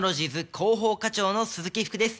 広報課長の鈴木福です。